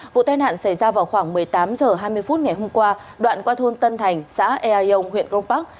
vụ tai nạn xảy ra vào khoảng một mươi tám h hai mươi ngày hôm qua đoạn qua thôn tân thành xã ea yông huyện công park